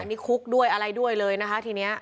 อันนี้คุกด้วยอะไรด้วยเลยนะคะทีนี้